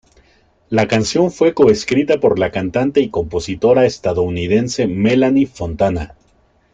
La canción fue coescrita por la cantante y compositora estadounidense Melanie Fontana.